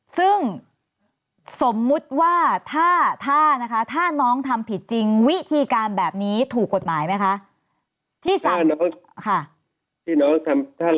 ซึ่งสมมุติว่าถ้านะคะถ้าน้องทำผิดจริงวิธีการแบบนี้ถูกกฎหมายไหมคะ